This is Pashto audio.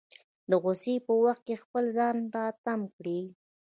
د غوسې په وخت کې خپل ځان راتم کړي.